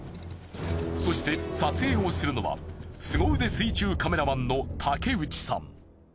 そして撮影をするのは凄腕水中カメラマンの竹内さん。